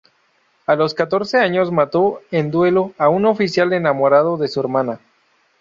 A los catorce años mató en duelo a un oficial enamorado de su hermana.